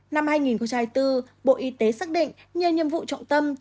năm hai nghìn bốn bộ y tế xác định nhiều nhiệm vụ trọng tâm